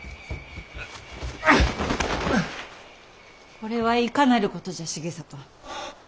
これはいかなることじゃ重郷。